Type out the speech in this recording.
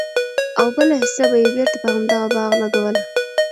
او بله حيصه به ئي بيرته په همدغه باغ لګوله!!